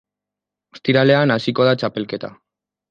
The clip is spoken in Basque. Ostiralean hasiko da txapelketa.